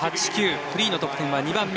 フリーの得点は２番目。